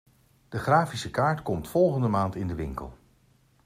De grafische kaart komt volgende maand in de winkel.